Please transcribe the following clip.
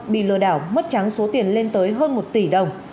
bị lừa đảo mất trắng số tiền lên tới hơn một tỷ đồng